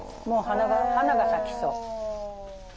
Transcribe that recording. もう花が咲きそう。